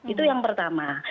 itu yang pertama